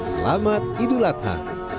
selamat idul adha